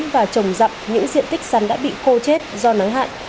và trồng dặm những diện tích sắn đã bị cô chết do nắng hạn